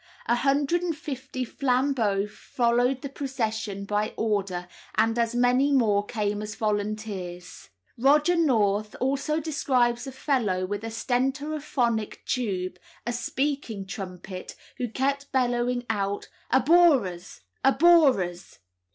A hundred and fifty flambeaux followed the procession by order, and as many more came as volunteers. Roger North also describes a fellow with a stentorophonic tube (a speaking trumpet), who kept bellowing out "Abhorrers! abhorrers!"